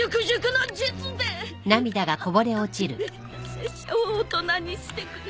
拙者を大人にしてくれ。